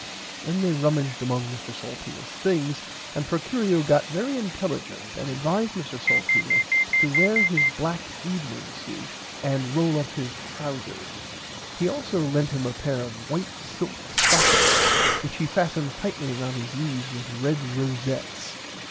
Then they rumaged among Mr Salteenas things and Procurio got very intelligent and advised Mr Salteena to were his black evening suit and role up his trousers. He also lent him a pair of white silk stockings which he fastened tightly round his knees with red rosettes.